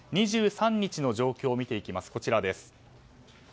２３日の状況を見ていきます。